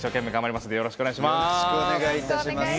よろしくお願いします。